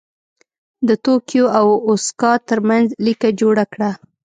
د توکیو او اوساکا ترمنځ لیکه جوړه کړه.